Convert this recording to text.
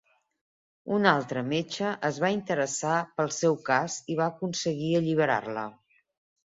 Un altre metge es va interessar pel seu cas i va aconseguir alliberar-la.